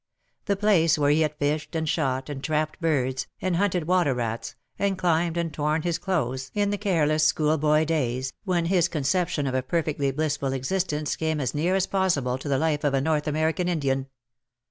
The place where he had fished, and shot, and trapped birds, and hunted water rats, and climbed and torn his clothes in the 224 '^LOYE BORE SUCH BITTER careless schoolboy days^ when his conception of a perfectly blissful existence came as near as possible to the life of a North American Indian.